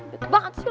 bebek banget sih lo